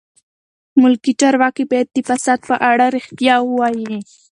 ملکي چارواکي باید د فساد په اړه رښتیا ووایي.